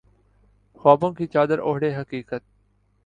خوابوں کی چادر اوڑھے حقیقت